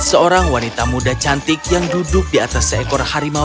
seorang wanita muda cantik yang duduk di atas serigala